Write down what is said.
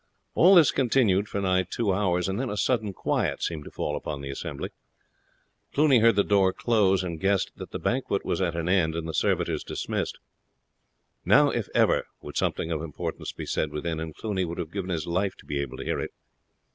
All this continued for nigh two hours, and then a sudden quiet seemed to fall upon the assembly. Cluny heard the door close, and guessed that the banquet was at an end and the servitors dismissed. Now, if ever, would something of importance be said within, and Cluny would have given his life to be able to hear it.